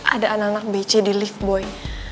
ada anak anak bece di lift boy